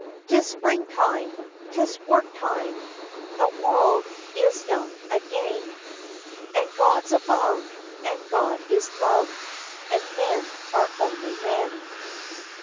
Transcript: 'Tis springtime! 'Tis work time! The world is young again! And God's above, and God is love, And men are only men.